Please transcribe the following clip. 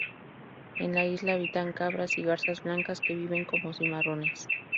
En la isla habitan cabras y garzas blancas que viven como cimarrones.